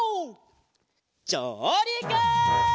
じょうりく！